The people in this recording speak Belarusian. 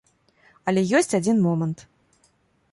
Але ёсць адзін момант.